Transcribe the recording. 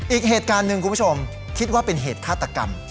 อีกเหตุการณ์หนึ่งคุณผู้ชมคิดว่าเป็นเหตุฆาตกรรม